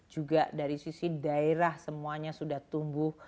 juga dari sisi daerah semuanya sudah tumbuh